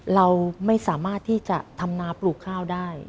เราไม่สามารถที่จะทำนาปลูกข้าวได้